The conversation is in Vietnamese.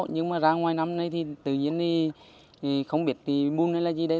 nhưng mà ra ngoài năm nay thì tự nhiên thì không biết thì buông hay là gì đây